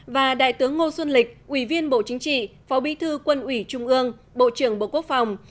và đại tướng ngô xuân lịch ủy viên bộ chính trị phó bí thư quân ủy trung ương bộ trưởng bộ quốc phòng